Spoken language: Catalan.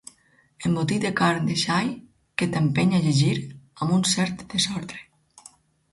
Embotit de carn de xai que t'empeny a llegir amb un cert desordre.